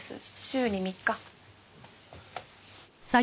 週に３日。